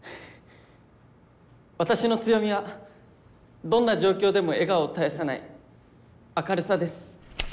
私の強みはどんな状況でも笑顔を絶やさない明るさです。